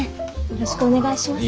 よろしくお願いします。